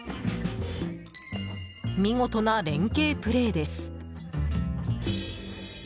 見事な連係プレーです。